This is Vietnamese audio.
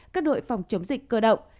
các đội phòng chống dịch cơ động